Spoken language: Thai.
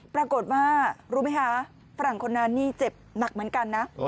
ปรากฏว่ารู้ไหมคะฝรั่งคนนั้นนี่เจ็บหนักเหมือนกันนะ